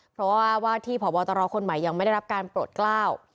เพราะว่าว่าที่พบตรคนใหม่ยังไม่ได้รับการโปรดกล้าว